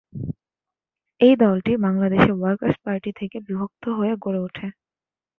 এই দলটি বাংলাদেশের ওয়ার্কার্স পার্টি থেকে বিভক্ত হয়ে গড়ে ওঠে।